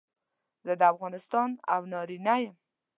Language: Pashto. زه د افغانستان او نارینه یم.